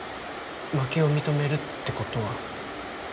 負けを認めるってことは。